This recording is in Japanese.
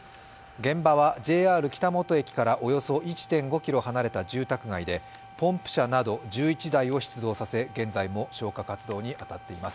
現場はＪＲ北本駅からおよそ１．５ｋｍはなれた住宅街ちでポンプ車など１１台を出動させ現在も消火活動に当たっています。